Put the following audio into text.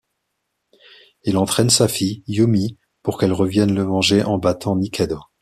Il entraîne sa fille, Yumi, pour qu'elle revienne le venger en battant Nikaido…